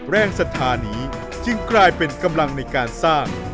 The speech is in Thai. แรงศรัทธานี้จึงกลายเป็นกำลังในการสร้าง